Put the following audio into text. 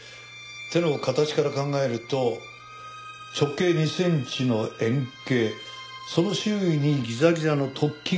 手の形から考えると直径２センチの円形その周囲にギザギザの突起があるようなもの。